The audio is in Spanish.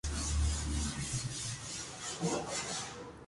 Hijo del escritor en lengua catalana Miquel de Palol i Felip.